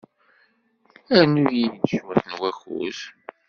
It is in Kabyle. Rnu-iyi-d cwiṭ n wakud.